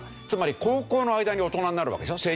つまり高校の間に大人になるわけでしょ。